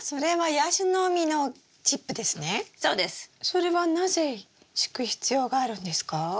それはなぜ敷く必要があるんですか？